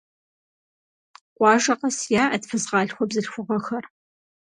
Къуажэ къэс яӏэт фызгъалъхуэ бзылъхугъэхэр.